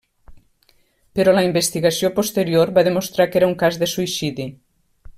Però la investigació posterior va demostrar que era un cas de suïcidi.